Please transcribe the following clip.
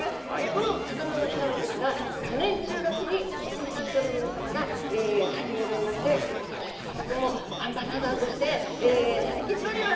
このさかなの日なのですが、去年１０月に水産庁の皆様が始められまして、私、さかなクンも、アンバサダーとして張り切っておりま